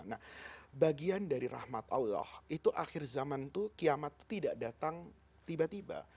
nah bagian dari rahmat allah itu akhir zaman itu kiamat itu tidak datang tiba tiba